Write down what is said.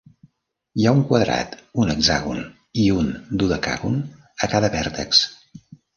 Hi ha un quadrat, un hexàgon i un dodecàgon a cada vèrtex.